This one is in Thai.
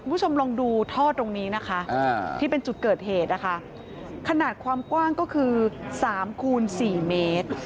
คุณผู้ชมลองดูท่อตรงนี้นะคะที่เป็นจุดเกิดเหตุนะคะขนาดความกว้างก็คือ๓คูณ๔เมตร